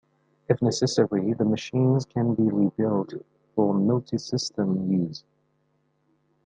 If necessary the machines can be rebuilt for multi-system use.